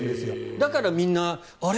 だからみんなあれ？